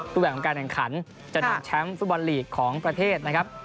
แบบของการแข่งขันจะนำแชมป์ฟุตบอลลีกของประเทศนะครับ